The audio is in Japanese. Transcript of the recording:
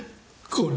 これ。